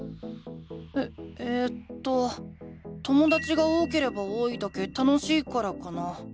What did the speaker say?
ええとともだちが多ければ多いだけ楽しいからかな。